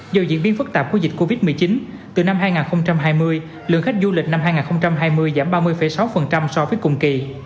do diễn biến phức tạp của dịch covid một mươi chín từ năm hai nghìn hai mươi lượng khách du lịch năm hai nghìn hai mươi giảm ba mươi sáu so với cùng kỳ